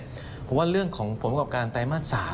เพราะว่าเรื่องของผลประกอบการไตรมาส๓